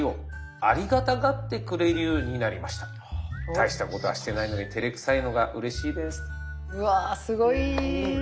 「大したことはしてないのにてれくさいのがうれしいです」と。